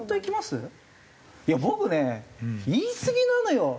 いや僕ね言いすぎなのよ